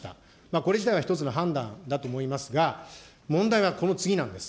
これ自体が一つの判断だと思いますが、問題はこの次なんです。